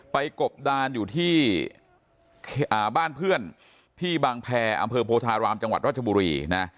กบดานอยู่ที่บ้านเพื่อนที่บางแพรอำเภอโพธารามจังหวัดรัชบุรีนะ